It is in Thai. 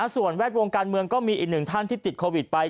ส่วนแวดวงการเมืองก็มีอีกหนึ่งท่านที่ติดโควิดไป